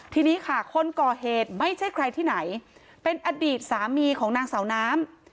ทีนี้ค่ะคนก่อเหตุไม่ใช่ใครที่ไหนเป็นอดีตสามีของนางสาวน้ำ